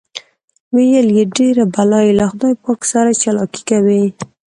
ویل یې ډېر بلا یې له خدای پاک سره چالاکي کوي.